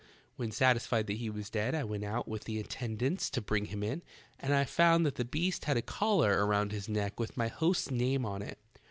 When satisfied that he was dead I went out with the attendants to bring him in, and I found that the beast had a collar around his neck with my host's name on it.